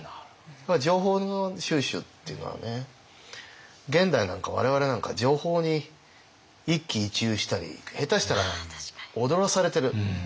情報の収集っていうのはね現代なんか我々なんか情報に一喜一憂したり下手したら踊らされてる。